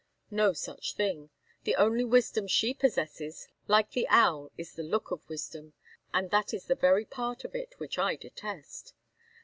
No such thing; the only wisdom she possesses, like the owl is the look of wisdom, and that is the very part of it which I detest.